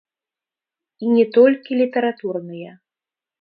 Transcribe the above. І не толькі літаратурныя.